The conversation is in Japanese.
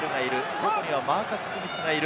外にはマーカス・スミスがいる。